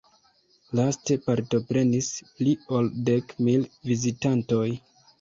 Laste partoprenis pli ol dek mil vizitantoj.